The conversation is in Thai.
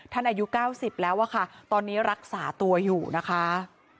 อายุ๙๐แล้วอะค่ะตอนนี้รักษาตัวอยู่นะคะ